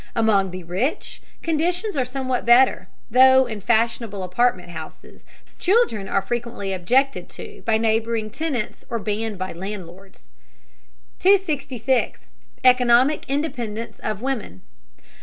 Among the rich, conditions are somewhat better, though in fashionable apartment houses children are frequently objected to by neighboring tenants or banned by landlords. 266. ECONOMIC INDEPENDENCE OF WOMEN.